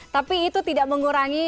tapi itu tidak mengurangi